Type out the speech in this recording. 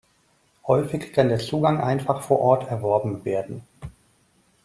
Häufig kann der Zugang einfach vor Ort erworben werden.